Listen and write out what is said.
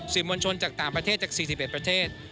มวลชนจากต่างประเทศจาก๔๑ประเทศ